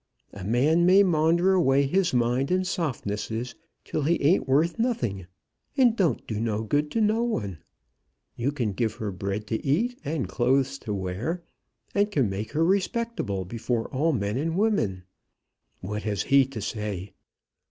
A man may maunder away his mind in softnesses till he ain't worth nothing, and don't do no good to no one. You can give her bread to eat, and clothes to wear, and can make her respectable before all men and women. What has he to say?